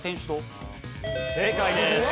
正解です。